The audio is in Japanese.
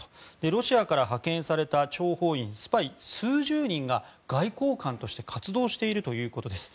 ロシアから派遣された諜報員、スパイ数十人が外交官として活動しているということです。